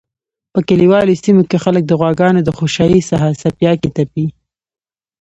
په کلیوالو سیمو کی خلک د غواګانو د خوشایی څخه څپیاکی تپی